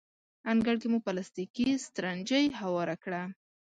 انګړ کې مو پلاستیکي سترنجۍ هواره کړه.